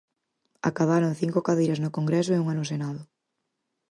Acadaran cinco cadeiras no Congreso e unha no Senado.